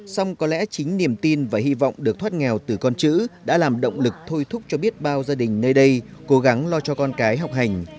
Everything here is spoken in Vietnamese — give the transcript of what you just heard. xong có lẽ chính niềm tin và hy vọng được thoát nghèo từ con chữ đã làm động lực thôi thúc cho biết bao gia đình nơi đây cố gắng lo cho con cái học hành